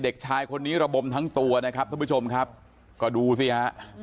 เด็กชายคนนี้ระบมทั้งตัวนะครับท่านผู้ชมครับก็ดูสิฮะ